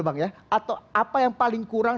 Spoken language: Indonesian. bang ya atau apa yang paling kurang